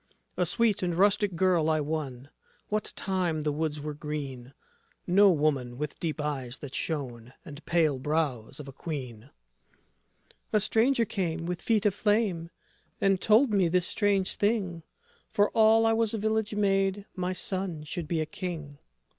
A sweet and rustic girl I won What time the woods were green; No woman with deep eyes that shone, And the pale brows of a Queen. MARY (inattentive to his words.) A stranger came with feet of flame And told me this strange thing, For all I was a village maid My son should be a King.